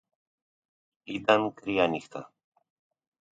Ήταν κρύα νύχτα.